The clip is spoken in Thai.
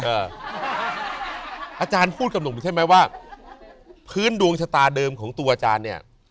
อาจารย์พูดกับหนุ่มใช่ไหมว่าพื้นดวงชะตาเดิมของตัวอาจารย์เนี่ย